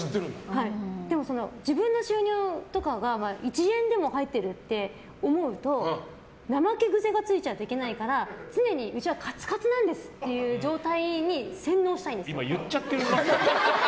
でも自分の収入とかが１円でも入ってるって思うと怠け癖がついちゃうといけないから常にうちはカツカツなんですという状態に洗脳したいんです。